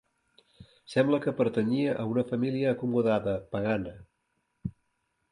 Sembla que pertanyia a una família acomodada, pagana.